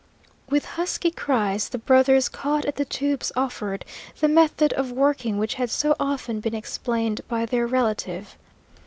With husky cries the brothers caught at the tubes offered, the method of working which had so often been explained by their relative.